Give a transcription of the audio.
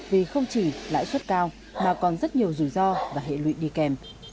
vì không chỉ lãi suất cao mà còn rất nhiều rủi ro và hệ lụy đi kèm